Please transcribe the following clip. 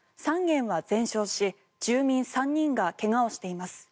３軒は全焼し住民３人が怪我をしています。